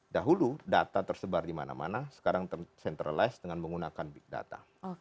dahulu data tersebar dimana mana sekarang tercentralize dengan menggunakan big data